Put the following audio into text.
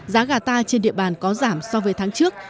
giá gà ta trên địa bàn có giảm so với tháng trước